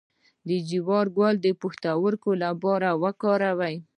د جوار ګل د پښتورګو لپاره وکاروئ